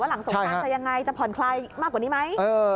หลังสงการจะยังไงจะผ่อนคลายมากกว่านี้ไหม